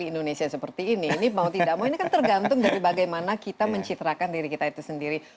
indonesia seperti ini ini mau tidak mau ini kan tergantung dari bagaimana kita mencitrakan diri kita itu sendiri